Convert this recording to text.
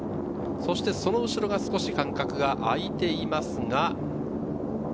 そしてその後ろが少し間隔があいています。